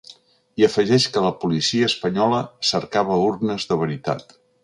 I afegeix que la policia espanyola cercava urnes de veritat.